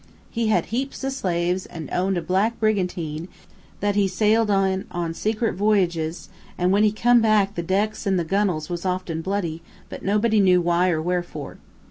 He had heaps o' slaves, an' owned a black brigantine, that he sailed in on secret voyages, an', when he come back, the decks an' the gunnels was often bloody, but nobody knew why or wherefore.